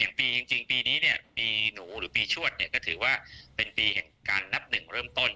อย่างปีจริงปีนี้เนี่ยปีหนูหรือปีชวดเนี่ยก็ถือว่าเป็นปีแห่งการนับหนึ่งเริ่มต้น